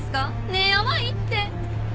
ねえヤバいって。